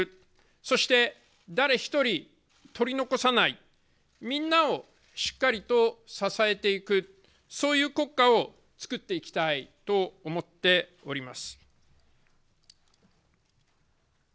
そして誰一人、取り残さない、みんなをしっかりと支えていく、そういう国家をつくっていきたいと思っております。